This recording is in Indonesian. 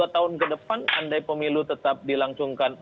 dua tahun ke depan andai pemilu tetap dilangsungkan